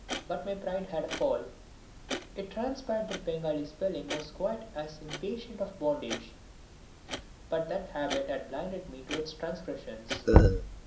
But my pride had a fall. It transpired that Bengali spelling was quite as impatient of bondage, but that habit had blinded me to its transgressions.